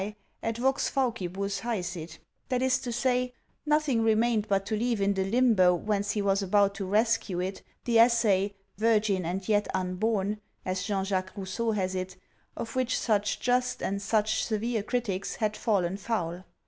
1, et vox faucibus hcesit, — that is to say, nothing remained but to leave in the limbo whence he was about to rescue it the essay, " virgin and yet un born/' as Jean Jacques Rousseau has it, of which such just and such severe critics had fallen foul.